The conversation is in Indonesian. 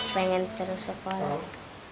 pengen terus sekolah